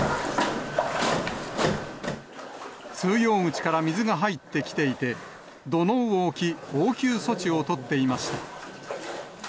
通用口から水が入ってきていて、土のうを置き、応急措置を取っていました。